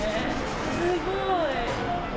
すごい。